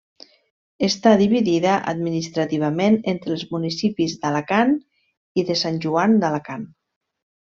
Està dividida administrativament entre els municipis d'Alacant i de Sant Joan d'Alacant.